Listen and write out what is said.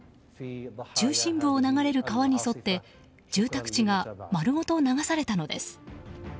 中心部を流れる川に沿って住宅地が丸ごと流されたのです。